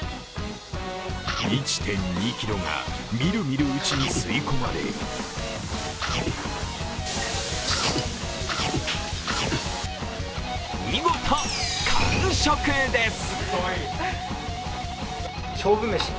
１．２ｋｇがみるみるうちに吸い込まれ見事、完食です。